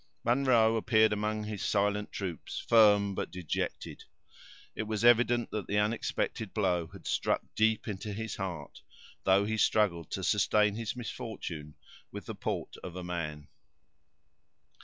Munro appeared among his silent troops firm but dejected. It was evident that the unexpected blow had struck deep into his heart, though he struggled to sustain his misfortune with the port of a man.